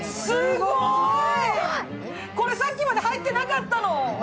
これ、さっきまで入ってなかったの！